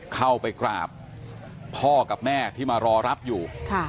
เข้าไปกราบพ่อกับแม่ที่มารอรับอยู่